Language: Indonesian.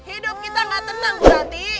hidup kita gak tenang bu ranti